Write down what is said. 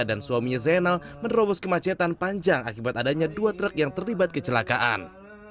dan suaminya zainal menerobos kemacetan panjang akibat adanya dua truk yang terlibat kecelakaan